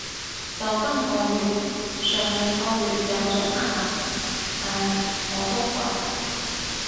就今个月，上兩個月又准下。唉，我都煩